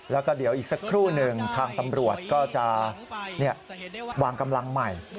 แล้วก็เดี๋ยวอีกสักครู่หนึ่งทางตำรวจก็จะวางกำลังใหม่